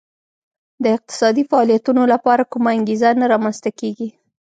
د اقتصادي فعالیتونو لپاره کومه انګېزه نه رامنځته کېږي